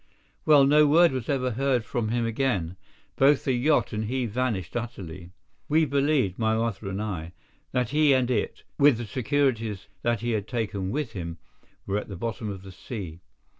Well, no word was ever heard from him again. Both the yacht and he vanished utterly. We believed, my mother and I, that he and it, with the securities that he had taken with him, were at the bottom of the sea.